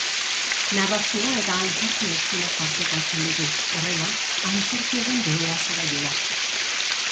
Narrazioa eta antzerki eszenak tartekatzen ditu, horrela, antzerkiaren jolasera jolastuz.